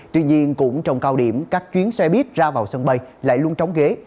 tuy nhiên cũng trong cao điểm các chuyến xe buýt ra vào sân bay lại luôn trống ghế